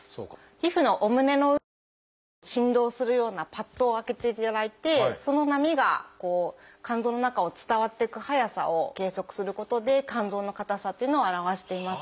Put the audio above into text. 皮膚のお胸の上にこう振動するようなパッドを当てていただいてその波が肝臓の中を伝わっていく速さを計測することで肝臓の硬さっていうのを表しています。